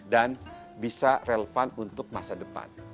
dan bisa relevan untuk masa depan